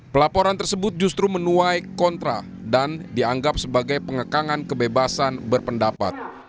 pelaporan tersebut justru menuai kontra dan dianggap sebagai pengekangan kebebasan berpendapat